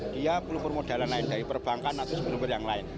dia perlu permodalan lain dari perbankan atau sumber sumber yang lain